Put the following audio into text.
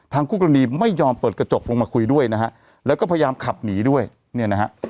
คู่กรณีไม่ยอมเปิดกระจกลงมาคุยด้วยนะฮะแล้วก็พยายามขับหนีด้วยเนี่ยนะฮะ